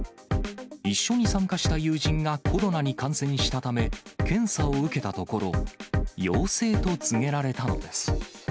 一緒に参加した友人がコロナに感染したため、検査を受けたところ、陽性と告げられたのです。